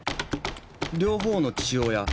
両方の父親母親